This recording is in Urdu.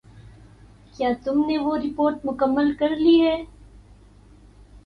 کیا تم نے وہ رپورٹ مکمل کر لی؟